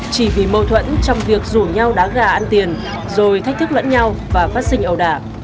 chỉ vì mâu thuẫn trong việc rủ nhau đá gà ăn tiền rồi thách thức lẫn nhau và phát sinh ẩu đả